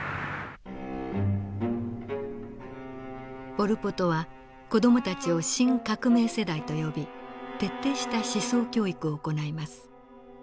ポル・ポトは子どもたちを新革命世代と呼び徹底した思想教育を行います。